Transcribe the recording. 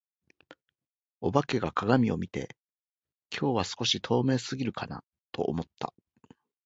お化けが鏡を見て、「今日は少し透明過ぎるかな」と思った。